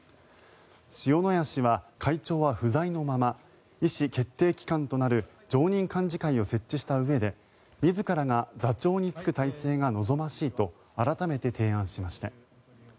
塩谷氏は、会長は不在のまま意思決定機関となる常任幹事会を設置したうえで自らが座長に就く体制が望ましいと改めて提案しました。